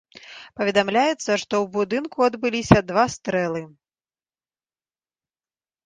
Паведамляецца, што ў будынку адбыліся два стрэлы.